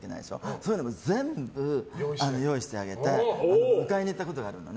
そういうのも全部用意してあげて迎えに行ったことがあるの。